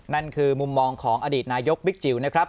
นั่นคือมุมมองของอดีตนายกบิ๊กจิ๋วนะครับ